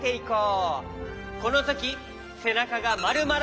このときせなかがまるまら